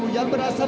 yang merasa bahagia